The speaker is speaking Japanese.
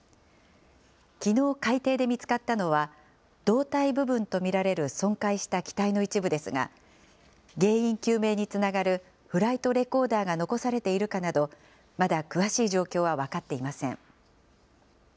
きのう、海底で見つかったのは、胴体部分と見られる損壊した機体の一部ですが、原因究明につながるフライトレコーダーが残されているかなど、まだ詳しい状況は分かっていません。